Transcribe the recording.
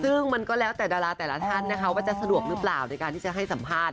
ซึ่งมันก็เดาแต่ตลาดน้ำแล้วกันมันจะสะดวกหรือเปล่าด้วยการให้สัมภาษณ์